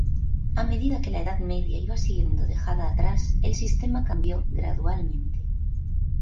A medida que la Edad Media iba siendo dejada atrás, el sistema cambió gradualmente.